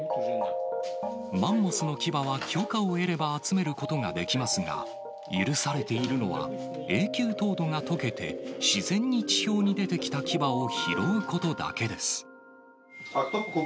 マンモスの牙は許可を得れば集めることができますが、許されているのは、永久凍土がとけて、自然に地表に出てきた牙を拾うことだけです。